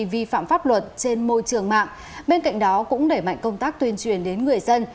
vi phạm pháp luật trên môi trường mạng bên cạnh đó cũng đẩy mạnh công tác tuyên truyền đến người dân